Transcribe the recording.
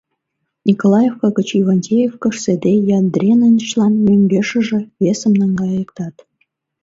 Николаевка гыч Ивантеевкыш седе Ядренычлан мӧҥгешыже весым наҥгайыктат.